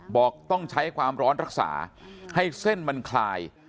บอกต้องใช้ความร้อนรักษาให้เส้นมันคลาย